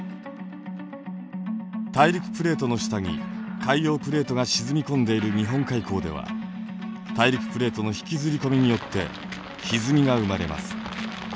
大陸プレートの下に海洋プレートが沈み込んでいる日本海溝では大陸プレートの引きずり込みによってひずみが生まれます。